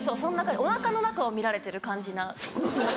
お腹の中を見られてる感じな気持ち。